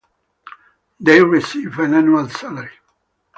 They receive an annual salary.